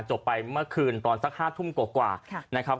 จบไปเมื่อคืนตอนสัก๕ทุ่มกว่านะครับ